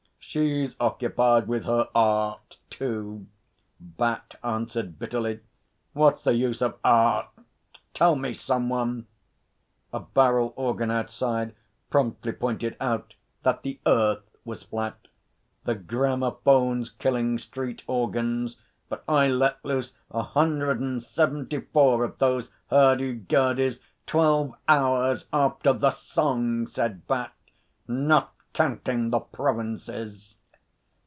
'She's occupied with her Art too,' Bat answered bitterly. 'What's the use of Art? Tell me, some one!' A barrel organ outside promptly pointed out that the Earth was flat. 'The gramophone's killing street organs, but I let loose a hundred and seventy four of those hurdygurdys twelve hours after The Song,' said Bat. 'Not counting the Provinces.'